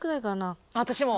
私も。